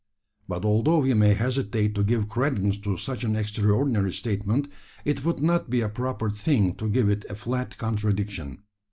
But although we may hesitate to give credence to such an extraordinary statement, it would not be a proper thing to give it a flat contradiction.